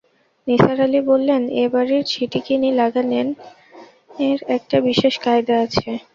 নিসার আলি বললেন, এ-বাড়ির ছিটিকিনি লাগানের একটা বিশেষ কায়দা আছে।